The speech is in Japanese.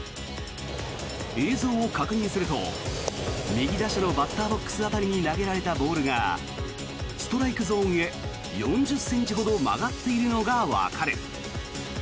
映像を確認すると右打者のバッターボックス辺りに投げられたボールがストライクゾーンへ４０ｃｍほど曲がっているのがわかる。